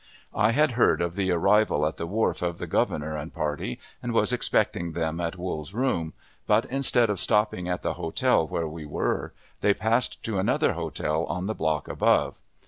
I had heard of the arrival at the wharf of the Governor and party, and was expecting them at Wool's room, but, instead of stopping at the hotel where we were, they passed to another hotel on the block above.